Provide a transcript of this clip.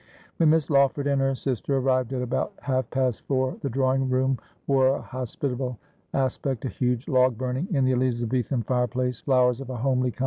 When Miss Lawford and her sister arrived at about half past four the drawing room wore a hospitable aspect ; a huge log burning in the Elizabethan fire place ; flowers of a homely 248 Asphodel.